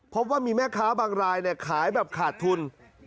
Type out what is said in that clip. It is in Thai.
พบว่ามีแม่ค้าบางรายขายแบบขาดทุน